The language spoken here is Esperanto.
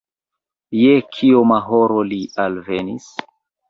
Je kioma horo li alvenis?